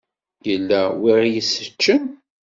Yella wi ɣ-yesseččen.